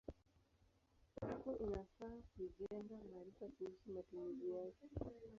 Hapo inafaa kujenga maarifa kuhusu matumizi yake.